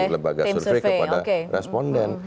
lembaga survei kepada responden